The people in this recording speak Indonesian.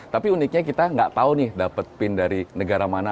tapi uniknya kita nggak tahu nih dapet pin dari negara mana